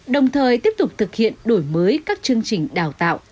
đồng thời tiếp tục thực hiện đổi mới các chương trình đào tạo